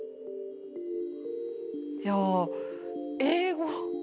いや英語。